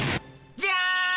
じゃん！